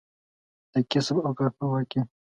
د کسب او کار خپلواکي